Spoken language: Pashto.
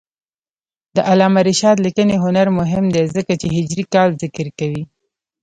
د علامه رشاد لیکنی هنر مهم دی ځکه چې هجري کال ذکر کوي.